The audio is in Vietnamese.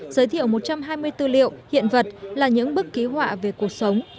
giới thiệu một trăm hai mươi tư liệu hiện vật là những bức ký họa về cuộc sống